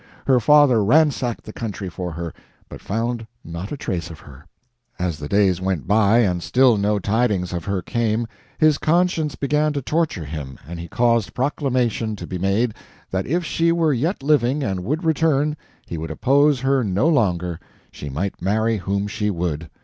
Her father ransacked the country for her, but found not a trace of her. As the days went by, and still no tidings of her came, his conscience began to torture him, and he caused proclamation to be made that if she were yet living and would return, he would oppose her no longer, she might marry whom she would.